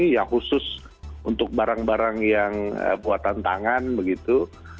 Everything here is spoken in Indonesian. yang khusus untuk barang barang yang buatan tangan begitu